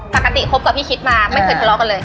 คบกับพี่คิดมาไม่เคยทะเลาะกันเลย